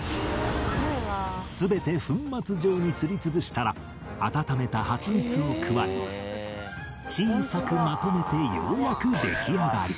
全て粉末状にすり潰したら温めたハチミツを加え小さくまとめてようやく出来上がり